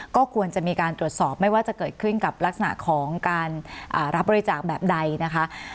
ก็ควรจะมีการตรวจสอบไม่ว่าจะเกิดขึ้นกับลักษณะของการรับบริจาคแบบใดนะคะ